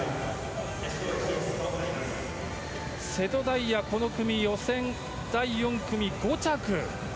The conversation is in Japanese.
瀬戸大也、この組予選第４組、５着。